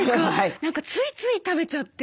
何かついつい食べちゃって。